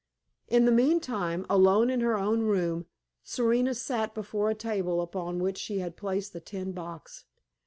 In the meantime, alone in her own room, Serena sat before a table upon which she had placed the tin box.